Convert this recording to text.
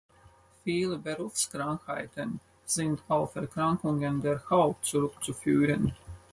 Viele Berufskrankheiten sind auf Erkrankungen der Haut zurückzuführen.